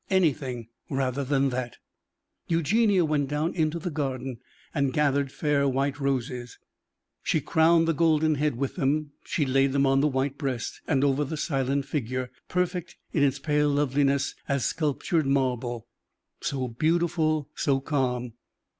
anything rather than that. Eugenie went down into the garden and gathered fair white roses, she crowned the golden head with them; she laid them on the white breast, and over the silent figure, perfect in its pale loveliness as sculptured marble; so beautiful, so calm!